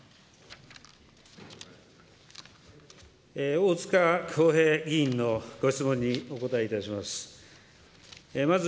大塚耕平議員のご質問にお答えいたします。